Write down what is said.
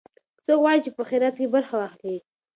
څوک غواړي چې په خیرات کې برخه واخلي؟